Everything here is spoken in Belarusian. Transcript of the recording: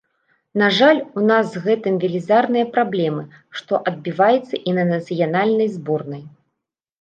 На жаль, у нас з гэтым велізарныя праблемы, што адбіваецца і на нацыянальнай зборнай.